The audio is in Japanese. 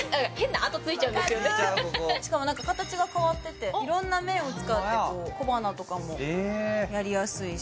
わかるしかも形が変わってていろんな面を使ってこう小鼻とかもやりやすいし